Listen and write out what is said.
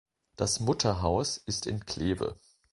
Das Mutterhaus ist in Kleve.